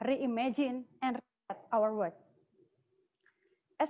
ini juga sangat menarik